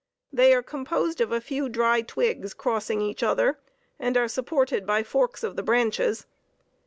They are composed of a few dry twigs, crossing each other, and are supported by forks of the branches.